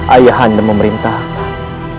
ayah anda memerintahkan